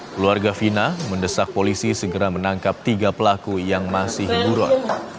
keluarga fina mendesak polisi segera menangkap tiga pelaku yang masih buron